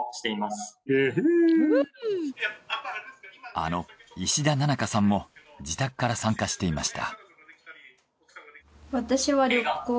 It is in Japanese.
あの石田ななかさんも自宅から参加していました。